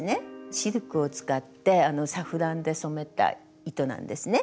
シルクを使ってサフランで染めた糸なんですね。